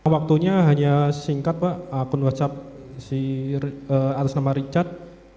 waktunya hanya singkat pak akun whatsapp si atas nama richard